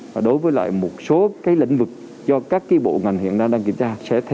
và đối với lại một số lĩnh vực do các bộ ngành hiện đang kiểm tra